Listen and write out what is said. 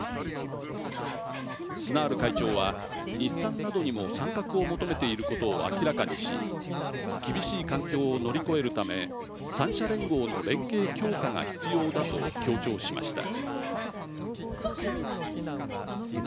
スナール会長は日産などにも参画を求めていることを明らかにし厳しい環境を乗り越えるため３社連合の連携強化が必要だと強調しました。